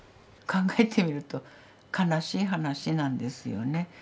考えてみると悲しい話なんですよね。